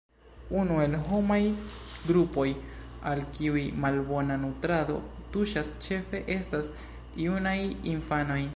Unu el la homaj grupoj al kiuj malbona nutrado tuŝas ĉefe estas junaj infanoj.